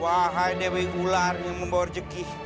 wahai dewi ular yang membawa rejekih